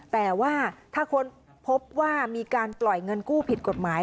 แต่ว่าถ้าค้นพบว่ามีการปล่อยเงินกู้ผิดกฎหมาย